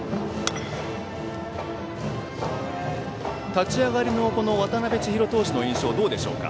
立ち上がりの渡辺千尋投手の印象どうでしょうか？